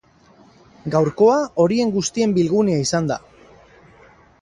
Gaurkoa horien guztien bilgunea izan da.